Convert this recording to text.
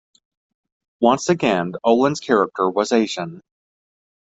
Once again, Oland's character was Asian.